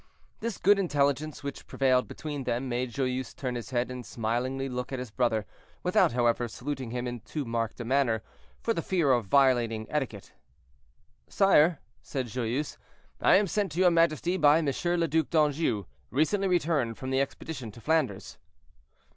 This good intelligence which prevailed between them made Joyeuse turn his head and smilingly look at his brother, without, however, saluting him in too marked a manner, from the fear of violating etiquette. "Sire," said Joyeuse, "I am sent to your majesty by Monsieur le Duc d'Anjou, recently returned from the expedition to Flanders."